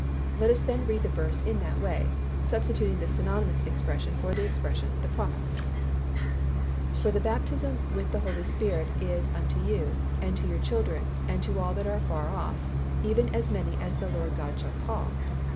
Let us then read the verse in that way, substituting this synonymous expression for the expression "the promise," "For the baptism with the Spirit is unto you, and to your children and to all that are afar off, even as many as the Lord our God shall call."